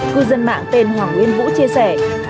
cư dân mạng tên hoàng nguyên vũ chia sẻ